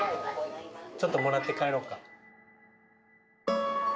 ちょっともらって帰ろうか。